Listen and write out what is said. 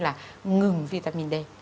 là ngừng vitamin d